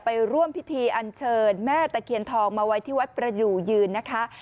ไปร่วมพิธีอันเชิญแม่ตะเคียนทองมาไว้ที่วัดประอยู่ยืนนะคะ